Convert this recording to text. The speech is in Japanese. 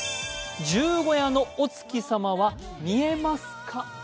十五夜のお月様は見えますか？